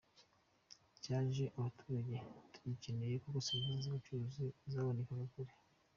Cyaje abaturage tugikeneye kuko service z’ubuvuzi zabonekaga kure.